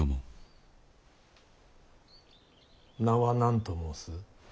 名は何と申す？